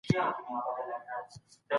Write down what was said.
څېړنه باید مقطعي نه وي او دوام پیدا کړي.